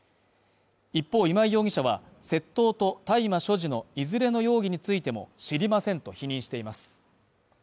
一方今井容疑者は窃盗と、大麻所持容疑のいずれの容疑についても知りませんと否認しています。